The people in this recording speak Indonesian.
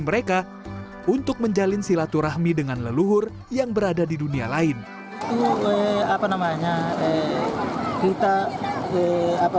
mereka untuk menjalin silaturahmi dengan leluhur yang berada di dunia lain apa namanya kita apa